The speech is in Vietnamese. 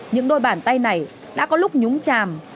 những đôi bàn tay này đã có lúc nhúng chàm